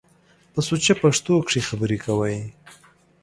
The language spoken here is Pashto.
په سوچه پښتو کښ خبرې کوٸ۔